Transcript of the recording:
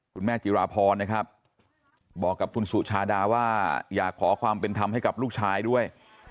จิราพรนะครับบอกกับคุณสุชาดาว่าอยากขอความเป็นธรรมให้กับลูกชายด้วย